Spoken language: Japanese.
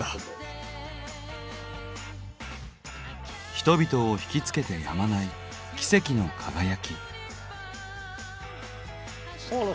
人々をひきつけてやまない奇跡の輝き。